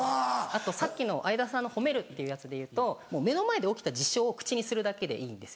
あとさっきの相田さんの褒めるっていうやつでいうと目の前で起きた事象を口にするだけでいいんです。